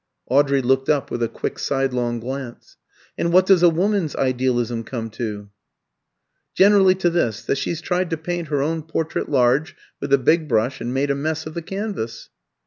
Audrey looked up with a quick sidelong glance. "And what does a woman's idealism come to?" "Generally to this that she's tried to paint her own portrait large, with a big brush, and made a mess of the canvas."